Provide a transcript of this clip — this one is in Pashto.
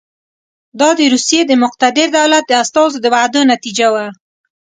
دا د روسیې د مقتدر دولت د استازو د وعدو نتیجه وه.